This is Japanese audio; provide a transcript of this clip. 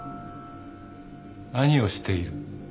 何をしている？